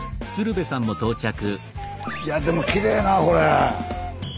いやでもきれいなこれ。